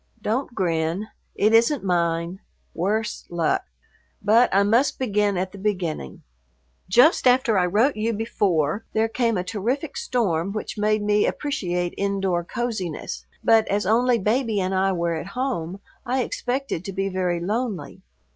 Don't grin; it isn't mine, worse luck! But I must begin at the beginning. Just after I wrote you before, there came a terrific storm which made me appreciate indoor coziness, but as only Baby and I were at home I expected to be very lonely.